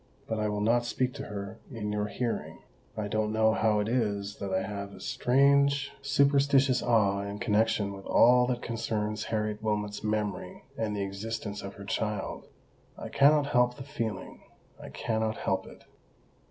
"But I will not speak to her in your hearing. I don't know how it is that I have a strange superstitious awe in connexion with all that concerns Harriet Wilmot's memory and the existence of her child. I cannot help the feeling—I cannot help it."